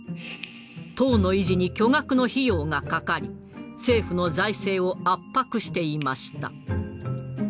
塔の維持に巨額の費用がかかり政府の財政を圧迫していました。